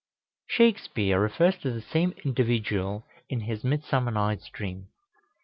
Shakspeare refers to the same individual in his "Midsummer Night's Dream."